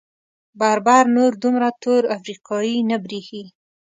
بربر نور دومره تور افریقايي نه برېښي.